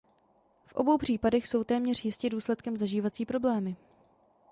V obou případech jsou téměř jistě důsledkem zažívací problémy.